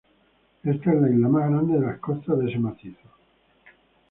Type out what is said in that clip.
Esta es la isla más grande de la costa de este macizo.